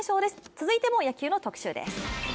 続いても野球の特集です。